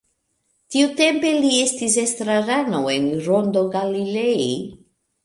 Tiutempe li estis estrarano en Rondo Galilei.